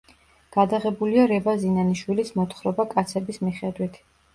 გადაღებულია რევაზ ინანიშვილის მოთხრობა „კაცების“ მიხედვით.